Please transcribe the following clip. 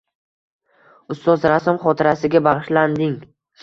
Ustoz rassom xotirasiga bag‘ishlanding